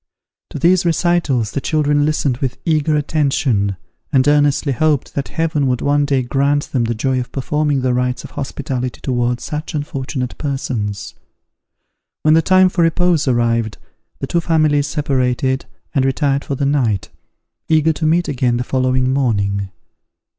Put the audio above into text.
To these recitals the children listened with eager attention, and earnestly hoped that Heaven would one day grant them the joy of performing the rites of hospitality towards such unfortunate persons. When the time for repose arrived, the two families separated and retired for the night, eager to meet again the following morning.